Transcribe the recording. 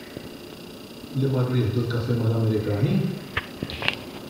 Li marru jieħdu l-kafè mal-Amerikani?!